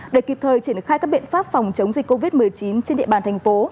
để kịp thời triển khai các biện pháp phòng chống dịch covid một mươi chín trên địa bàn thành phố